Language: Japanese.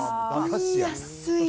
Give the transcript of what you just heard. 安い！